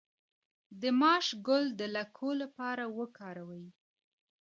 د ماش ګل د لکو لپاره وکاروئ